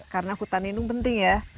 karena hutan lindung penting ya